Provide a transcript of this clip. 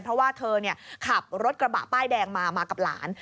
เพราะว่าเธอขับรถกระบะป้ายแดงมามากับหลาน